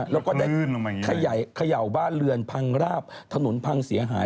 แล้วก็ได้เขย่าบ้านเรือนพังราบถนนพังเสียหาย